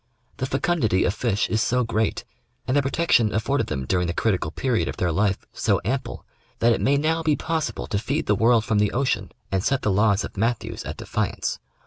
The fecundity of fish is so great, and the protection afforded them during the critical period of their life so ample, that it may now be possible to feed the world from the ocean and set the laws of Matthews at defiance.